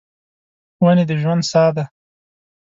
ونې د ژوند ساه ده.